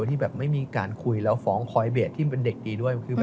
เท่ากับว่าตอนนี้